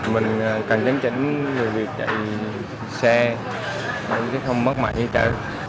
mình cần chấn chấn về việc chạy xe bằng cách không mất mạng như trở